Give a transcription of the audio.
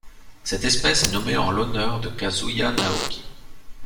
Cette espèce est nommée en l'honneur de Kazuya Naoki.